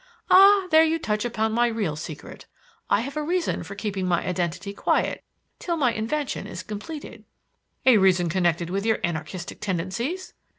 "Ah, there you touch upon my real secret. I have a reason for keeping my identity quiet till my invention is completed." "A reason connected with your anarchistic tendencies?"